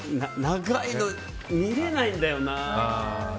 長いの見れないんだよな。